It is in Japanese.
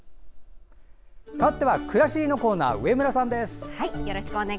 かわっては「くらしり」のコーナー上村さんです。